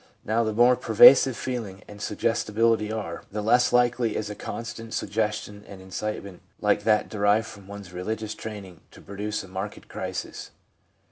1 Now, the more pervasive feeling and suggestibility are, the less likely is a constant sug gestion and incitement like that derived from one's religious training to produce a marked crisis.